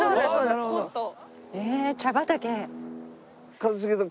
一茂さん